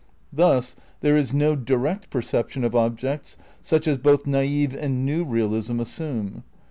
^ Thus there is no direct perception of objects such as both naif and new realism assume.